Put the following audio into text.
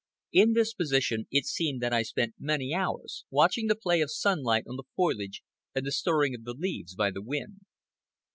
In this position it seemed that I spent many hours, watching the play of sunlight on the foliage and the stirring of the leaves by the wind.